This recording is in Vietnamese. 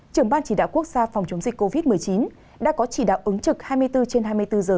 trưởng ban chỉ đạo quốc gia phòng chống dịch covid một mươi chín đã có chỉ đạo ứng trực hai mươi bốn trên hai mươi bốn giờ